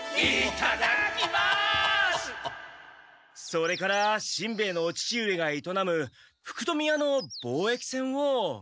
それからしんべヱのお父上がいとなむ福富屋の貿易船を。